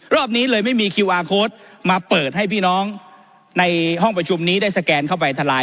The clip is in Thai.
รอบนี้เลยไม่มีคิวอาร์โค้ดมาเปิดให้พี่น้องในห้องประชุมนี้ได้สแกนเข้าไปทลาย